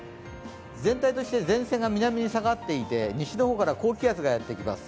全体として前線が南に下がっていて西の方から高気圧がやってきます。